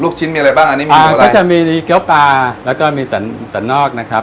ลูกชิ้นมีอะไรบ้างอันนี้มีอะไรอ่าก็จะมีเกี๊ยวปลาแล้วก็มีสันนอกนะครับ